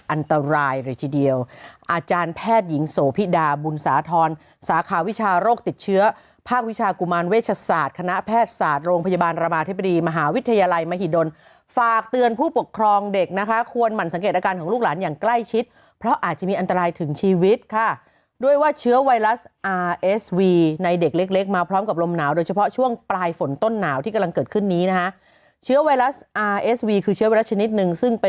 อันตรายฤทธิเดียวอาจารย์แพทย์หญิงโสภิดาบุญสาธรรมสาขาวิชาโรคติดเชื้อภาควิชากุมารเวชศาสตร์คณะแพทย์ศาสตร์โรงพยาบาลระมาเทพดีมหาวิทยาลัยมหิดลฝากเตือนผู้ปกครองเด็กนะคะควรหมั่นสังเกตอาการของลูกหลานอย่างใกล้ชิดเพราะอาจจะมีอันตรายถึงชีวิตค่ะด้วยว่าเชื้อ